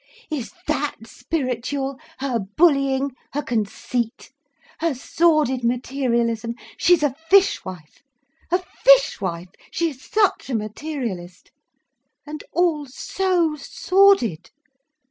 Is that spiritual, her bullying, her conceit, her sordid materialism? She's a fishwife, a fishwife, she is such a materialist. And all so sordid.